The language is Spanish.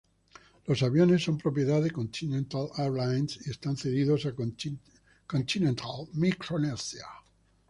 Los aviones son propiedad de Continental Airlines y están cedidos a Continental Micronesia.